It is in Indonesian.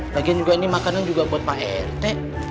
lagian ini makanan juga buat pak rt